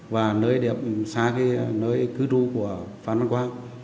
và xa nơi cứ trú của phan văn quang